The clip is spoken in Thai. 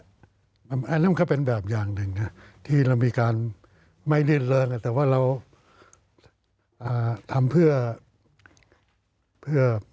อันนั้นมันก็เป็นแบบอย่างหนึ่งนะที่เรามีการไม่รื่นเริงแต่ว่าเราทำเพื่อ